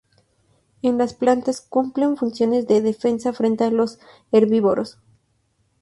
En las plantas cumplen funciones de defensa frente a los herbívoros.